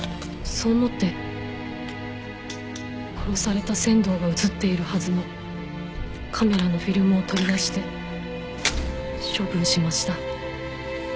そう思って殺された仙道が写っているはずのカメラのフィルムを取り出して処分しました。